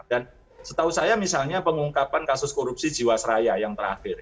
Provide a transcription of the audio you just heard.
dan setahu saya misalnya pengungkapan kasus korupsi jiwasraya yang terakhir